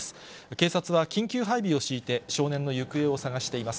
警察は、緊急配備を敷いて、少年の行方を捜しています。